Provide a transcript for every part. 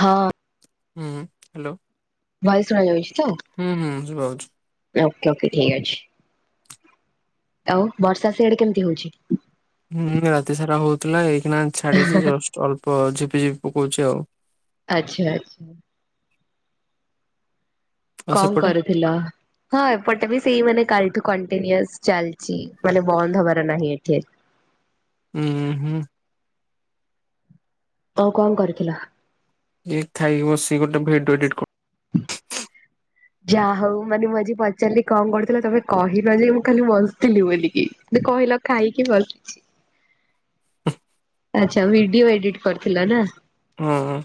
ହଁ। ହୁଁ। Hello. Voice ଶୁଣା ଯାଉଛି ତ? ଶୁଭାଯାଉଛି। ଓକେ, ଓକେ ଠିକ ଅଛି। ଆଉ ବର୍ଷା ସେଆଡେ କେମିତି ହଉଚି? ହୁଁ, ରାତି ସାରା ହଉଥିଲା। ଏଇକିନା ଛାଡିଚି। ଜଷ୍ଟ ଅଳ୍ପ ଝିପି ଝିପି ପକଉଛି ଆଉ। ଆଚ୍ଛା ଆଚ୍ଛା। ଆଉ କଣ ସେପଟେ କରୁଥିଲ? ହଁ, ଏପଟେ ବି ସେଇ ମାନେ କାଲିଠୁ କଣ୍ଟିନିଅସ ଚାଲିଚି। ମାନେ ବନ୍ଦ ହବାର ନାହିଁ ଏଠେ। ଉଁ, ହୁଁ। ତମେ କଣ କରୁଥିଲ? ଏ ଖାଇକି ବସିକି ଗୋଟେ ଭିଡିଓ ଏଡିଟ କ, ହ ଯାହା ହଉ, ମାନେ ମୁଁ ଆଜି ପଚାରିଲି କଣ କରୁଥିଲ? ତମେ କହିଲ ଯେ ମୁଁ ଖାଲି ବସିଥିଲି ବୋଲି କି। ଯେ କହିଲ ଖାଇକି ଭସିଚି। ଆଚ୍ଛା ଭିଡିଓ ଏଡିଟ୍ କରୁଥିଲ, ନା? ହଁ।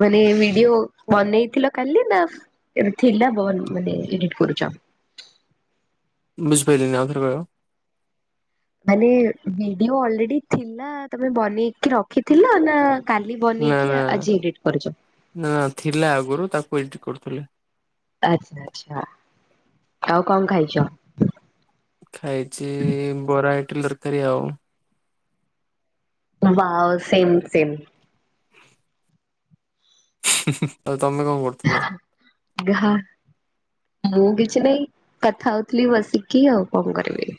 ମାନେ ଭିଡିଓ ବନେଇଥିଲ କାଲି, ନା ଥିଲା ବ ମାନେ ଏଡିଟ କରଚ? ବୁଝି ପାଇଲିନି, ଆଉଥରେ କହିବ। ମାନେ ଭିଡିଓ ଅଲରେଡି ଥିଲା ତମେ ବନେଇକି ରଖିଥିଲ ନା କାଲି ନା ବନେଇକି ନା ଆଜି ଏଡିଟ୍ କରୁଚ। ନା ଥିଲା ଆଗରୁ ତାକୁ ଏଡିଟ କରୁଥିଲି। ଆଚଛା, ଆଚଛା। ଆଉ କଣ ଖାଇଚ? ଖାଇଚି ବରା, ଇଟିଲି, ତରକାରୀ ଆଉ। ବାଓ, ସେମ ସେମ। ଆଉ ତମେ କଣ କରୁଥିଲ? ଗାହା ମୁଁ କିଛି ନାଇଁ, କଥା ହଉଥିଲି ବସିକି ଆଉ କଣ କରିବି।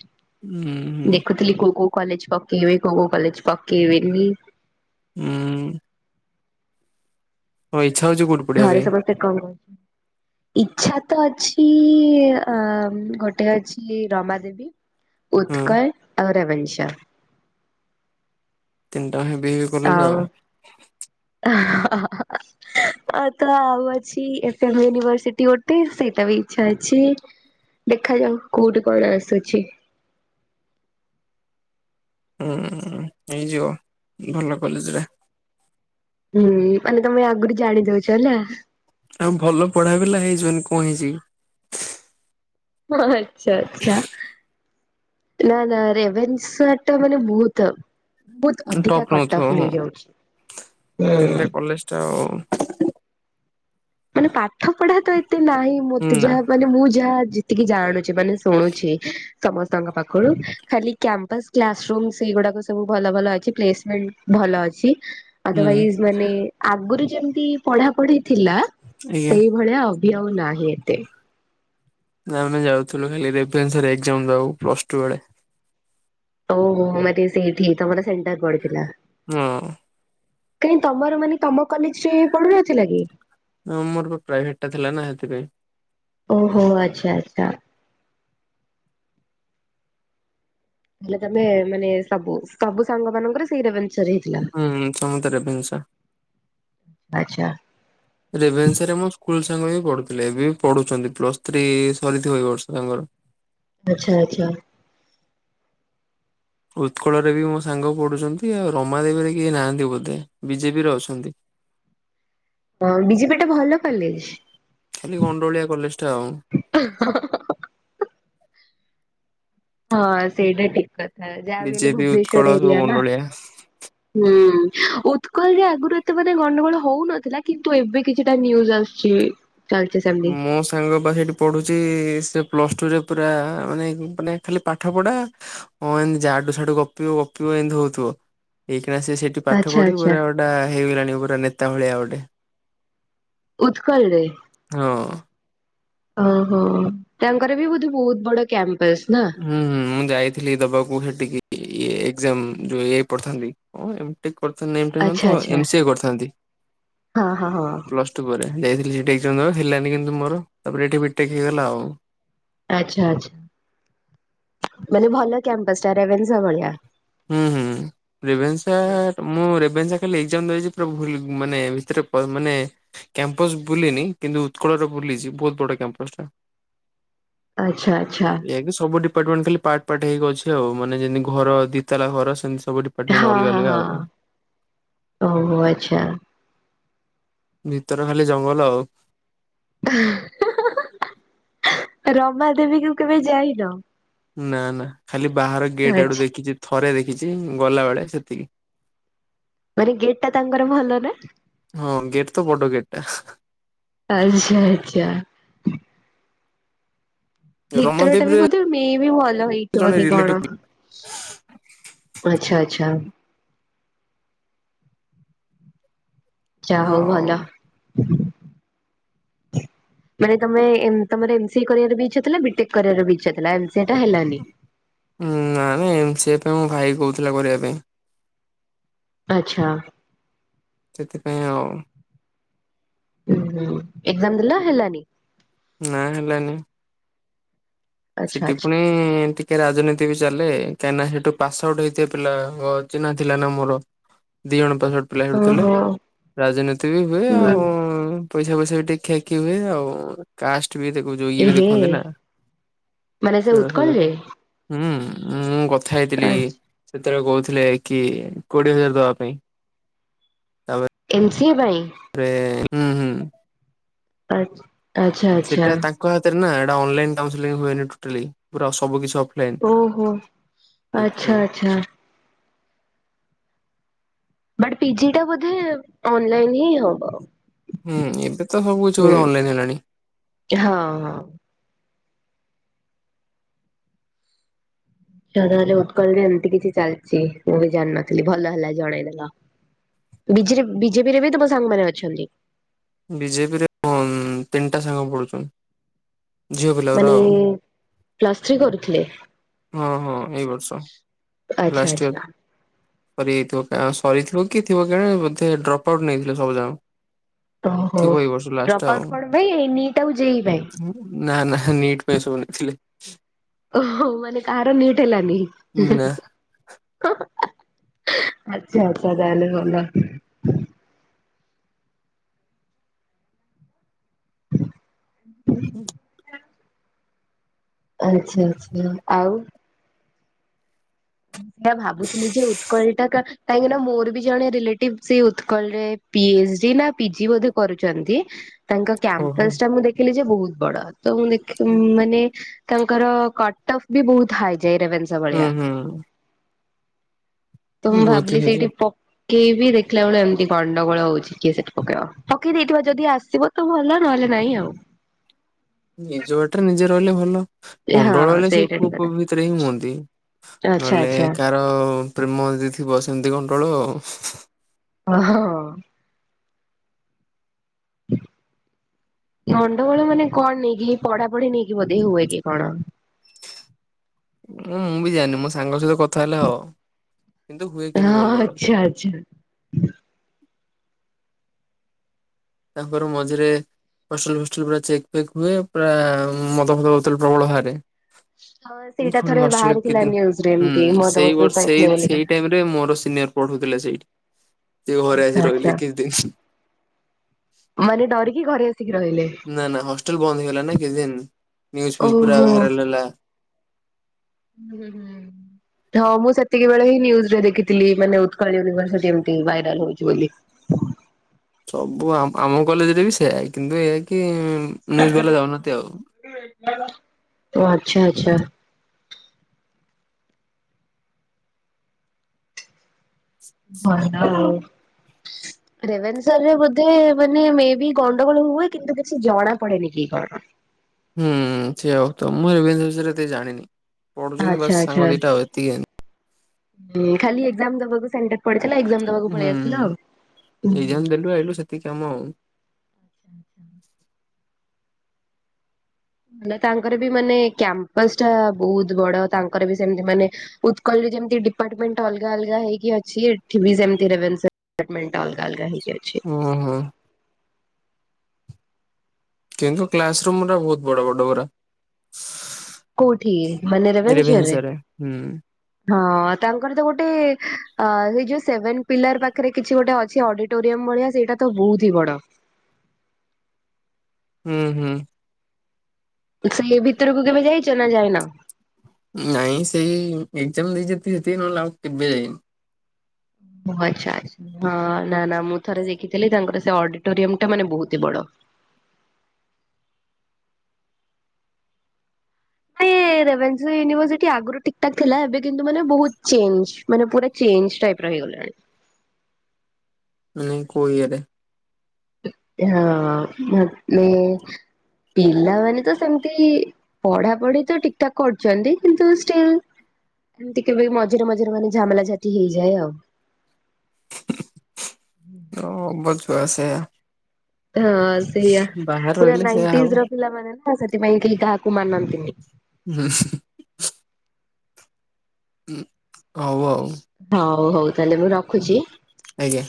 ହୁଁ ହୁଁ। ଖାଲି କୋଉ କୋଉ କଲେଜ ପକେଇବେ। କୋଉ କୋଉ କଲେଜ ପକେଇବେନି। ହୁଁ। ତମର ଇଚ୍ଛା ହଉଚି କଉଠୁ ଘରେ ସମସ୍ତେ କଣ କରୁଚନ୍ତି? ଇଚ୍ଛା ତ ଅଛି ଅ ଗୋଟେ ଅଛି ରମା ଦେବୀ, ହଁ ଉତ୍କଳ ଆଉ ରେଭେନ୍ସା। ତିନଟା ହିଁ ବି ଆଉ ଆଉ ତ ଆଉ ଅଛି ଏଫ ଏମ ୟୁନିଭର୍ସିଟି ଗୋଟେ ସେଇଟା ବି ଇଚ୍ଛା ଅଛି। ଦେଖାଯାଉ କୋଉଠି କଣ ଆସୁଛି। ହୁଁ ହେଇଯିବ ଭଲ କଲେଜରେ। ହୁଁ ମାନେ ତମେ ଆଗରୁ ଜାଣି ଦଉଛ ନା? ଆଉ ଭଲ ପଢା ପିଲା ହେଇଯିବନି କଣ ହେଇଚିକି? ହ ଆଚ୍ଛା ଆଛା। ନା ନା ରେଭେନ୍ସଟା ମାନେ ବହୁତ ବହୁତ ଅଧିକା ଟପ୍ ନଉଥିବ କଟଅଫ ହଁ। ନେଇଯାଉଛି ହୁଁ। ଯାହାହେଉ। ମାନେ ପାଠ ପଢା ତ ଏତେ ନାହିଁ ମତେ ନା ଯାହା ମାନେ ମୁଁ ଯାହା ଜି ଟିକେ ଜାଣୁଛେ ମାନେ ଶୁଣୁଛି। ସମସ୍ତଙ୍କ ପାଖରୁ ଖାଲି କ୍ୟାମ୍ପସ କ୍ଲାସ ରୁମ ସେଗୁଡାକ ସବୁ ଭଲ ଭଲ ଅଛି ପ୍ଲେସମେଣ୍ଟ ଭଲ ଅଛି। ହୁଁ ଅଦରୱାଇଜ ମାନେ ଆଗରୁ ଯେମତି ପଢା ପଢି ଥିଲା। ଆଜ୍ଞା। ସେଇଭଳିଆ ଅଭି ଆଉ ନାହିଁ ଏତେ। ନା ଆମେ ଯାଉଥିଲୁ ଖାଲି ରେଭେନ୍ସାରେ ଏଗ୍ଜାମ୍ ଦବାକୁ ପ୍ଲସ୍ ଟୁ ବେଳେ। ଓହୋ ମାନେ ସେଇଠି ତମର ସେଣ୍ଟର ପଡିଥିଲା। ହଁ। କାହିଁ ତମର ମାନେ ତମ କଲେଜରେ ପଡୁନଥିଲା କି? ହଁ ମୋର ପ୍ରାଇଭେଟ ଟା ଥିଲା ନା ସେଥିପାଇଁ। ଓହୋ ଆଚ୍ଛା ଆଚ୍ଛା। ହେଲେ ତମେ ମାନେ ସବୁ ସବୁ ସାଙ୍ଗ ମାନଙ୍କର ସେଇ ରେଭେନ୍ସା ସାରେ ହେଇଥିଲା। ହୁଁ ସମସ୍ତେ ରେଭେନ୍ସା। ଆଚ୍ଛା। ରେଭେନ୍ସାରେ ମୋ ସ୍କୁଲ ସାଙ୍ଗ ବି ପଢୁଥିଲେ ଏବେ ବି ପଢୁଛନ୍ତି ପ୍ଲସ୍ ଥ୍ରୀ ସରିଥିବ ଏଇ ବର୍ଷ ତାଙ୍କର। ଆଚ୍ଛା ଆଚ୍ଛା। ଉତ୍କଳରେ ବି ମୋ ସାଙ୍ଗ ପଢ଼ୁଛନ୍ତି ଆଉ ରମାଦେବୀରେ କେହି ନାହାନ୍ତି ବୋଧେ ବି ଜେ ପିରେ ଅଛନ୍ତି। [inaudible] ହଁ ବିଜେପି ଟା ଭଲ କଲେଜ୍। ଖାଲି ଗଣ୍ଡଗୋଳିଆ କଲେଜ୍ ଟା ଆଉ। [unintelligible] ହଁ ସେଇଟା ଠିକ୍ କଥା ଯାହାବି ହେଲେ ବିଜେପି ଉତ୍କଳ ଭୁବନେଶ୍ଵର ସବୁ ଏରିଆ ନା। ଗଣ୍ଡୋଳିଆ। ହୁଁ ଉତ୍କଳରେ ଆଗରୁ ଏତେ ମାନେ ଗଣ୍ଡଗୋଳ ହଉନଥିଲା କିନ୍ତୁ ଏବେ କିଛିଟା ନ୍ୟୁଜ୍ ଆସୁଚି। ମୋ ସାଙ୍ଗପା ହେଟି ପଢ଼ୁଛି ସେ ପ୍ଲସ୍ ଟୁରେ ପୁରା ମାନେ ମାନେ ଖାଲି ପାଠ ପଢ଼ା ହଁ ଏମିତି ଜାଡୁ ସାଡୁ ଗପିବ ଗପିବ ଏମିତି ହଉଥିବ ଏଇକିନା ସିଏ ସେ ଟି ପାଠ ଆଚ୍ଛା ପଢି ଆଚ୍ଛା ପୁରା ଗୋଟା ହେଇଗଲାଣି ପୁରା ନେତା ଭଳିଆ ଗୋଟେ। ଉତ୍କଳରେ। ହଁ। ଓହୋ ତାଙ୍କର ବି ବୋଧେ ବହୁତ ବଡ଼ କ୍ୟାମ୍ପସ ନା। ହୁଁ ମୁଁ ଯାଇଥିଲି ଦବାକୁ ହେଠିକି ଇ ଏଜାମ୍ ଯୋଉ ଏ ଆଇ ପଢଥାନ୍ତି। ହଁ ଏମ ଟେକ୍ କରିଥାନ୍ତି ଏମ ଟେ ନୁହଁ ଆଚ୍ଛା ତ ଆଚ୍ଛା ଏମ୍ ସି ଏ କରିଥାନ୍ତି। ହଁ ହଁ ହଁ। ପ୍ଲସ୍ ଟୁ ପରେ ଯାଇଥିଲି ହେଠି ଏଗ୍ଜାମ୍ ଦବାକୁ ହେଲାନି କିନ୍ତୁ ମୋର। ତାପରେ ଏଠି ବି ଟେକ୍ ହେଇଗଲା ଆଉ। ଆଛା ଆଛା ମାନେ ଭଲ କ୍ୟାମ୍ପସ ଟା ରେଭେନ୍ସା ଭଳିଆ। ହୁଁ ହୁଁ। ରେଭେନ୍ସା ମୁଁ ରେଭେନ୍ସା ଖାଲି ଏଗ୍ଜାମ୍ ଦେଇଚି ପୁରା ଭୁଲ୍ ମାନେ ଭିତରେ ପ ମାନେ କ୍ୟାମ୍ପସ ବୁଲିନି କିନ୍ତୁ ଉତ୍କଳରେ ବୁଲିଛି ବହୁତ ବଡ଼ କ୍ୟାମ୍ପସ ଟା। ଆଚ୍ଛା ଆଚ୍ଛା ଏବେ ସବୁ ଡିପାର୍ଟମେଣ୍ଟ ଖାଲି ପାଟ୍ ପାଟ୍ ହେଇକି ଅଛି ଆଉ ମାନେ ଯେମିତି ଘର ଦୋତାଲା ଘର ସେମତି ସବୁଠି ହଁ ହଁ ହଁ ଓହୋ ଆଚ୍ଛା। ଭିତରେ ଖାଲି ଜଙ୍ଗଲ ଆଉ। ହା ହୁ ହୁ ହୁ ରମା ଦେବୀକୁୁ କେବେ ଯାଇନ। ନା ନା ଖାଲି ବାହାର ଗେଟ୍ ଆଡ଼ୁ ଆଚ୍ଛା। ଦେଖିଛି ଥରେ ଦେଖିଛି ଗଲାବଳେ ସେତିକି। ମାନେ ଗେଟ୍ ଟା ତାଙ୍କର ଭଲ ନା। ହଁ ଗେଟ୍ ତ ବଡ ଗେଟ୍ ଟା। ଆଚ୍ଛା ଆଚ୍ଛା। ଭିତରଟା ବି ରମାଦେବୀରେ ବୋଧେ ମେ ବି ଭଲ ହେଇଥିବ ଜଣେ କି କଣ। ରିଲେଟିଭ ଆଚ୍ଛା ଆଚ୍ଛା। ଯାହା ହଉ ଆଉ। ଭଲ। [inaudible] ମାନେ ତମେ ତମର ଏମ୍ ସି କରିବାର ବି ଇଛା ଥିଲା ବିଟେକ୍ କରିବାର ବି ଇଚ୍ଛା ଥିଲା। ସେଇଟା ହେଲାନି। ନା ନାଇଁ ମ ଏମ୍ ସି ପାଇଁ ମୋ ଭାଇ କହୁଥିଲା କରିବା ପାଇଁ। ଆଚ୍ଛା। ସେଥିପାଇଁ ଆଉ ଏଜାମ୍ ଦେଲା ହେଲାନି। ନା ହେଲାନି। ଆଚ୍ଛା ସେଠି ଆଚ୍ଛା ପୁଣି ଟି ଟିକେ ରାଜନୀତି ବି ଚାଲେ କାହିଁକିନା ସେଠୁ ପାସ ଆଉଟ୍ ହେଇଥିବା ପିଲାଙ୍କ ଚିହ୍ନା ଥିଲା ନା ମୋର ଦି ଜଣ ପାସ ଆଉଟ୍ ପିଲା ହେଉଟୁଥିଲେ ଓହୋ। ରାଜନୀତି ବି ହୁଏ ହୁଁ ଆଉ ପଇସା ଫଇସା ବି ଟିକେ ଦେଖା ଦେଖି ହୁଏ ଆଉ କାଷ୍ଟ୍ ବି ଦେଖ ଯୋଗ ବି ଏହେ ଦେଖନ୍ତି ନା ମାନେ ସେ ଉତ୍କଳରେ ହୁଁ ମୁଁ କଥା ହେଇଥିଲି ଆଚ୍ଛା। ସେତେବେଳେ କହୁଥିଲେ କି କୋଡିଏ ହଜାର ଦବା ପାଇଁ। ଏମ୍ ସିଏ ପାଇଁ? ରେ ଉଁ ହୁଁ ହୁଁ। ଆଚ୍ଛା। ଆଚ୍ଛା ଆଚ୍ଛା ସେଇଟା ତାଙ୍କ ହାତରେ ନା ଏଟା ଅନଲାଇନ କାଉସଂ ହୁଏନି ଟୋଟାଲି ପୁରା ସବୁ କିସ ଓହୋ ଆଚ୍ଛା ଆଛା। ବାଟ୍ ପିଜି ଟା ବୋଧେ ଅନଲାଇନ୍ ହିଁ ହବ? ହୁଁ ଏବେ ତ ସବୁ କିଛି ହୁଁ। ଅନଲାଇନ ହେଲାଣି। ହଁ ହଁ। ତାହେଲେ ଉତ୍କଳ ରେ ଏମିତି କିଛି ଚାଲିଛି ମୁଁ ବି ଜାଣିନଥିଲି ଭଲ ହେଲା ଜଣେଇଦେଲ। ବିଜେ ବିଜେପିରେ ବି ତମ ସାଙ୍ଗମାନେ ଅଛନ୍ତି? ବିଜେପିରେ ତିନିଟା ସାଙ୍ଗ ପଢୁଛନ୍ତି। ମାନେ ପ୍ଲାସ୍ ଥ୍ରୀ କରୁଥିଲେ? ହଁ ହଁ ଏଇ ବର୍ଷ ଆଚ୍ଛା ଲାଷ୍ଟ୍ ଆଚ୍ଛା ଇୟର। ସରିଯାଇଥିବ ସରିଥିବ କି ଥିବ କେଣେ ବୋଧେ ଡ୍ରପ୍ ଆଉଟ୍ ନେଇଥିଲେ ସବୁ ଜଣ ଓହୋ ଡ୍ରପ ଆଉ ଆଉଟ୍ କଣ ପାଇଁ ନିଟ୍ ଆଉ ଯେଇ ପାଇଁ? ନା ନା ନିଟ୍ ପାଇଁ ସବୁ ନେଇଥିଲେ। ଓ ହୋ ମାନେ କାହାର ନିଟ୍ ହେଲାନି? ନା। ଆଛା ଆଚ୍ଛା ତାହଲେ ଭଲ। ଆଛା ଆଚ୍ଛା ଆଉ? ସେୟା ଭାବୁ ଥିଲି ଯେ ଉତ୍କଳଟାକା କାହିଁକି ନା ମୋର ବି ଜଣେ ରିଲେଟିଭ୍ ସେ ଉତ୍କଳରେ ପି ଏଚଡି ନା ପିଜି ବୋଧେ କରୁଚନ୍ତି ତାଙ୍କ ଓହୋ କ୍ୟାମ୍ପସ ଟା ମୁଁ ଦେଖିଲି ଯେ ବହୁତ ବଡ ତ ମୁଁ ଦେଖ ମାନେ ତାଙ୍କର କଟ୍ ଅଫ୍ ବି ବହୁତ ହାଏ ଯାଏ ରେଭନ୍ସ ହୁଁ ହୁଁ। ତ ମୁଁ ବହୁତ ଭାବିଲି ହେଇଛି ସେଇଠି ପ ପକେଇ ବି ଦେଖିଲା ବେଳ ଏମିତି ଗଣ୍ଡଗୋଳ ହଉଛି କିଏ ସେଠି ପକେଇବ ପକେଇ ଦେଇଥିବା ଯଦି ଆସିବ ତ ଭଲ ନହେଲେ ନାଇଁ ଆଉ। ନିଜ ବାଟରେ ନିଜେ ରହିଲେ ଭଲ ହଁ ଗଣ୍ଡଗୋଳ ହେଲେ ସେ ସେଇଟା କୁ ଠିକ କଥା ସେଥିରେ ହିଁ ହୁଅନ୍ତି ଆଚ୍ଛା ନହେଲେ ଆଚ୍ଛା କାର ଅ ପ୍ରେମ ଯଦି ଥିବ ସେମିତି ଗଣ୍ଡଗୋଳ ଆଉ ହଁ ହଁ। ଗଣ୍ଡଗୋଳ ମାନେ କଣ ନେଇକି ପଢାପଢି ନେଇକି ବୋଧେ ହୁଏ କି କଣ? ମୁଁ ବି ଜାଣିନି ମୋ ସାଙ୍ଗ ସହିତ କଥା ହେଲେ ହବ କିନ୍ତୁ ହୁଏ ହଁ କିନ୍ତୁ ଗଣ୍ଡଗୋଳ। ଆଚ୍ଛା ଆଚ୍ଛା। ତାଙ୍କର ମଝିରେ ହଷ୍ଟେଲ୍ ଫଷ୍ଟେଲ୍ ପୁରା ଚେକ୍ ଫେକ୍ ହୁଏ ପୁରା ମଦ ଫଦ ବୋତଲ ପ୍ରବଳ ଭାଆରେ ହଁ ସେଇଟା ଫୁଣି ଥରେ ହଷ୍ଟେଲରେ କିଛି ବାହାରିଥିଲା ଦିନ ନ୍ୟୁଜ ରେ ଏମିତି ହୁଁ ମଦ ସେଇ ବୋତଲ ବର୍ଷ ପାଇଥିଲେ ସେଇ ବୋଲିକା। ସେଇ ଟାଇମରେ ମୋର ସିନିୟର ପଢୁଥିଲେ ସେଇଠି। ସେ ଘରେ ଆସି ରହିଲେ ଆଜ୍ଞା କିଛି ଦିନ ମାନେ ଡରିକି ଘରେ ଆସିକି ରହିଲେ ନା ନା ହଷ୍ଟେଲ ବନ୍ଦ ହେଇଗଲା ନା କିଛି ନିୟୁଜ ଫିଉଜ ପୁରା ଓହୋ। ଭାଇରାଲ ହେଲା। ହୁଁ ହୁଁ। ହଁ ମୁଁ ସେତିକି ବେଳେ ହିଁ ନ୍ୟୁଜରେ ଦେଖଥିଲି ମାନେ ଉତ୍କଳ ୟୁନିଭର୍ସିଟି ଏମତି ଭାଇରାଲ ହଉଚି ବୋଲି। ସବୁ ଆମ କଲେଜରେ ବି ସେଇଆା କିନ୍ତୁ ଏଇୟା କି ନୁଜ୍ ବାଲା ଯାଉନାହାନ୍ତି ଆଉ। ଓ ଆଛା ଆଛା। ଭଲ ଆଉ। ରାଭେନ୍ସା ରେ ବୋଧେ ମାନେ ମେ ବି ଗଣ୍ଡଗୋଳ ହୁଏ କିନ୍ତୁ କିଛି ଜଣା ପଡେନି କି କଣ? ହୁଁ ସେୟା ହଉଥିବ ମୁଁ ଏ ବିଷୟରେ ଏତେ ଜାଣିନି ପଢୁଛନ୍ତି ଆଚ୍ଛା ବାସ ଆଚ୍ଛା। ସାଙ୍ଗ ଦିଟା ଆଉ ଏତିକି ଖାଲି ଏକ୍ଜାମ ଦେବାକୁ ସେଣ୍ଟର ପଡିଥିଲା ଏକ୍ଜାମ ଦେବାକୁ ହୁଁ ପଳେଇ ଆସିଲା ଆଉ। ଏକ୍ଜାମ ଆଇଲୁ [unintelligible] ଏତିକି କାମ [inaudible] ମାନେ ତାଙ୍କର ବି ମାନେ କ୍ୟାମ୍ପସ ଟା ବହୁତ ବଡ ତାଙ୍କର ବି ସେମିତି ମାନେ ଉତ୍କଳରେ ଯେମତି ଡିପାର୍ଟମେଣ୍ଟ ଅଲଗା ଅଲଗା ହେଇକି ଅଛି ଏଠି ବି ସେମିତି ରେଭେନ୍ସା ଡିପାର୍ଟମେଣ୍ଟ ଅଲଗା ଅଲଗା ହେଇକି ଅଛି। ହୁଁ ହୁଁ। କିନ୍ତୁ କ୍ଲାସ ରୁମା ବହୁତ ବଡ ବଡ ଗୁରା କେଉଠି ମାନେ ରେଭେନ୍ସା ରେ? ହୁଁ। ହଁ ତାଙ୍କର ତ ଗୋଟେ ଏ ସେ ଯୋଉ ସେଭେନ ପିଲାର ପାଖରେ କିଛି ଗୋଟେ ଅଛି ଅଡିଟ ଟୋରିୟମ ଭଳିଆ ସେଇଟା ତ ବହୁତ ହି ବଡ। ହୁଁ ହୁଁ। ସେଇ ଭିତରକୁ କେବେ ଯାଇଚ ନା ଯାଇନ? ନାଇଁ ସେଇ ଏକ୍ଜାମ ଦେଇଛି ଯେତିକି ସେତିକି ନହେଲେ ଆଉ କେବେ ଯାଇନି। ଓ ଆଚ୍ଛା ଆ ହଁ ନା ନା ମୁଁ ଥରେ ଦେଖିଥିଲି ତାଙ୍କର ସେ ଅଡିଟୋରିୟମଟା ମାନେ ବହୁତି ବଡ। ୟେ ରେଭେନ୍ସା ୟୁନିଭରସିଟି ଆଗରୁ ଠିକ୍ ଠାକ୍ ଥେଲା ଏବେ କିନ୍ତୁ ମାନେ ବହୁତ ଚେଞ୍ଜ। ମାନେ ପୁରା ଚେଞ୍ଜ ଟାଇପର ହେଇଗଲାଣି। ନାଇଁ କଇଆରେ ଏହା ହଁ ମାନେ ପିଲାମାନେ ତ ସେମିତି ପଢାପଢି ତ ଠିକ୍ ଠାକ୍ କରୁଛନ୍ତି କିନ୍ତୁ ଷ୍ଟିଲ୍ ଏମିତି କେବେ ମଝିରେ ମଝିରେ ମାନେ ଝାମେଲାଝାଟି ହେଇଯାଏ ଆଉ। ହଁ ବ ଛୁଆ ସେଇଆ ହଁ ସେଇଆ ବାହାରେ ପୁରା ରହିଲେ ସେଇଆ ହବ। ନାଇନଟିଜର ପିଲାମାନେ ନା ସେଥିପାଇଁ କେହି କାହାକୁ ମାନନ୍ତିନି। ହୁଁ। ହଉ ଆଉ। ହଉ ହଉ ତାହେଲେ ମୁଁ ରଖୁଚି? ଆଜ୍ଞା।